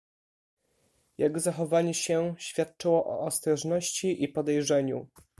"Jego zachowanie się świadczyło o ostrożności i podejrzeniu."